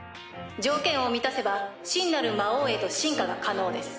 条件を満たせば真なる魔王へと進化が可能です。